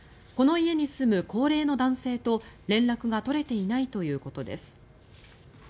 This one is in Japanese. この家に住む高齢の男性と連絡が取れていないということです。